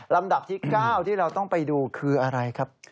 ลำดับที่๙ที่เราต้องไปดูคืออะไรครับ